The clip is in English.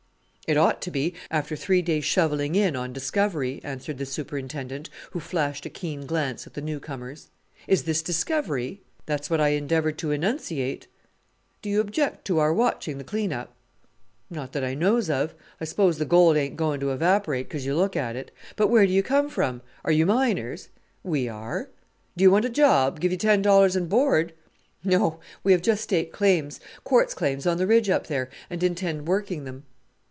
"It ought to be, after three days' shovelling in on discovery," answered the superintendent, who flashed a keen glance at the new comers. "Is this discovery?" "That's what I endeavoured to enunciate." "Do you object to our watching the clean up?" "Not that I knows of. I s'pose the gold ain't going to evaporate 'cause you look at it. But where do you come from? Are you miners?" "We are." "Do you want a job? Give you ten dollars and board." "No, we have just staked claims quartz claims on the ridge up there and intend working them."